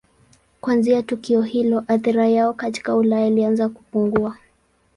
Kuanzia tukio hilo athira yao katika Ulaya ilianza kupungua.